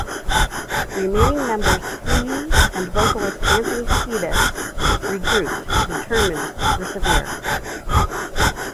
Remaining members Flea and vocalist Anthony Kiedis regrouped, determined to persevere.